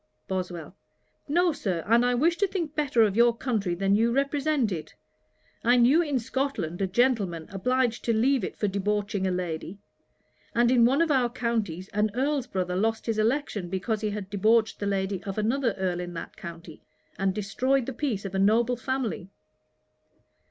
BOSWELL. 'No, Sir; and I wish to think better of your country than you represent it. I knew in Scotland a gentleman obliged to leave it for debauching a lady; and in one of our counties an Earl's brother lost his election, because he had debauched the lady of another Earl in that county, and destroyed the peace of a noble family.'